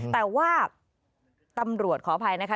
แต่ว่าตำรวจขออภัยนะคะ